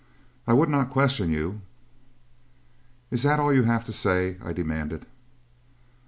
I would not question you " "Is that all you have to say?" I demanded.